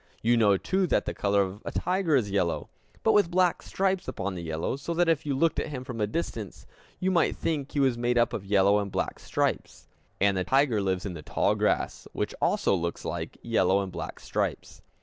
You know, too, that the color of a tiger is yellow, but with black stripes upon the yellow, so that if you looked at him from a distance, you might think he was made up of yellow and black stripes. And the tiger lives in the tall grass, which also looks like yellow and black stripes.